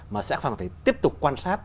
mà sẽ phải tiếp tục quan sát